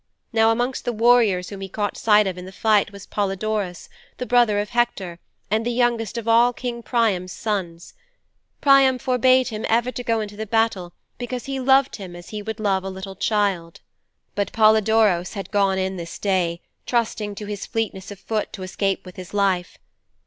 Now amongst the warriors whom he caught sight of in the fight was Polydoros, the brother of Hector and the youngest of all King Priam's sons. Priam forbade him ever to go into the battle because he loved him as he would love a little child. But Polydoros had gone in this day, trusting to his fleetness of foot to escape with his life.